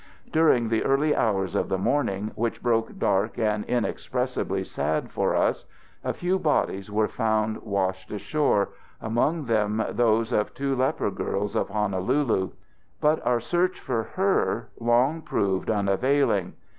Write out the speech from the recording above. "During the early hours of the morning, which broke dark and inexpressibly sad for us, a few bodies were found washed ashore, among them those of two leper girls of Honolulu. But our search for her long proved unavailing.